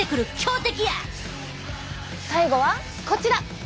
最後はこちら！